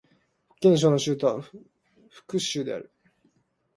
福建省の省都は福州である